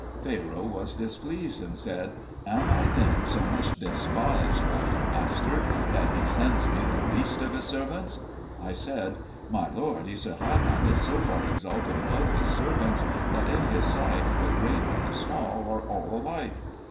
Pharaoh was displeased, and said, "Am I then so much despised by your master that he sends me the least of his servants?" I said, "My lord Esarhaddon is so far exalted above his servants that in his sight the great and the small are all alike."